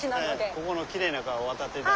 ここのきれいな川を渡って頂きます。